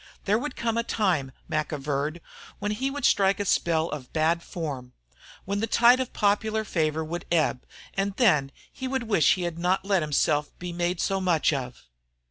There would come a time, Mac averred, when he would strike a spell of bad form, when the tide of popular favor would ebb, and then he would wish he had not let himself be made so much of.